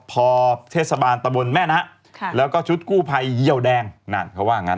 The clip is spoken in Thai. พอเทศบาลตะบนแม่นะแล้วก็ชุดกู้ภัยเยี่ยวแดงนั่นเขาว่างั้น